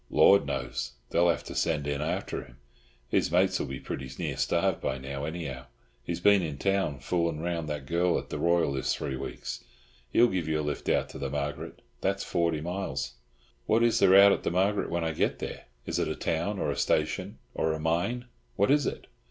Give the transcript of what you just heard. "Lord knows. They'll have to send in after him. His mates'll be pretty near starved by now, anyhow. He's been in town, foolin' round that girl at the Royal this three weeks. He'll give you a lift out to the Margaret—that's forty miles." "What is there out at the Margaret when I get there? Is it a town, or a station, or a mine? What is it?"